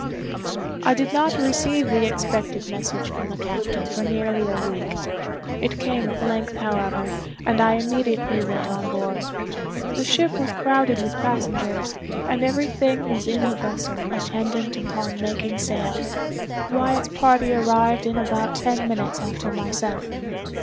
I did not receive the expected message from the captain for nearly a week. It came at length, however, and I immediately went on board. The ship was crowded with passengers, and every thing was in the bustle attendant upon making sail. Wyatt's party arrived in about ten minutes after myself.